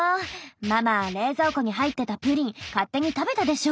ママ冷蔵庫に入ってたプリン勝手に食べたでしょ。